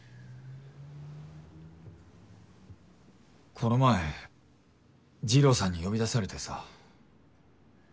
この前二郎さんに呼び出されてさ。